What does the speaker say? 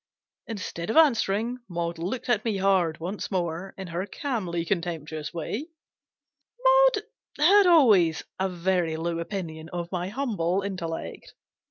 Instead of answering, Maud looked at me hard once more, in her calmly contemptuous way Maud had always a very low opinion of my humble intellect.